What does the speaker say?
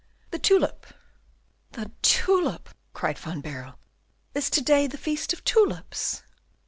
"The tulip." "The tulip!" cried Van Baerle, "is to day the feast of tulips?"